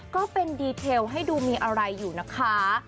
ก็เป็นดีเทลให้ดูมีอะไรอยู่นะคะ